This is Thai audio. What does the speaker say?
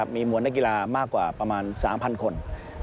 มีมวลนักกีฬามากกว่าประมาณ๓๐๐คน